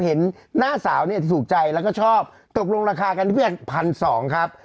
เห็นหน้าสาวที่สุขใจแล้วก็ชอบตกลงราคากันที่เพื่อน๑๒๐๐ครับ